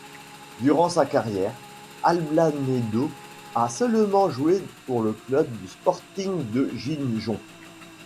Durant sa carrière, Ablanedo a seulement joué pour le club du Sporting de Gijón.